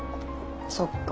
そっか。